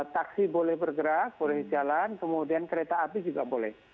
taksi boleh bergerak boleh jalan kemudian kereta api juga boleh